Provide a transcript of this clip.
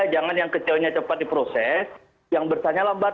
jangan yang kecilnya cepat diproses yang besarnya lambat